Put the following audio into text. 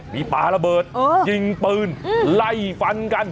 มีปลาระเบิดยิงปืนไล่ฟันกัน